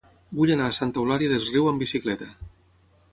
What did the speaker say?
Vull anar a Santa Eulària des Riu amb bicicleta.